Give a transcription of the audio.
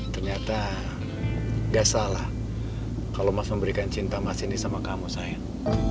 ternyata gak salah kalau mas memberikan cinta mas ini sama kamu saya